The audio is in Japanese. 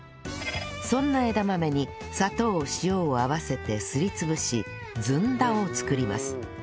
そんな枝豆に砂糖塩を合わせてすり潰しずんだを作ります